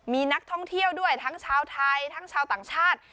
มีนักท่องเที่ยวด้วยทั้งชาวไทยทั้งชาวต่างชาติ